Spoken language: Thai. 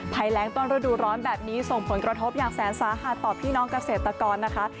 แรงต้นฤดูร้อนแบบนี้ส่งผลกระทบอย่างแสนสาหัสต่อพี่น้องเกษตรกรนะคะ